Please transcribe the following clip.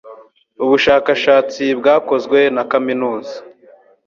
Ubushakashatsi bwakozwe na Kaminuza